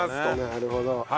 なるほど。